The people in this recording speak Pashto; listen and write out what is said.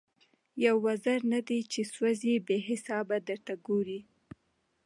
یو وزر نه دی چي سوځي بې حسابه درته ګوري